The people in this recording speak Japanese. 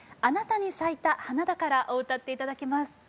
「あなたに咲いた花だから」を歌っていただきます。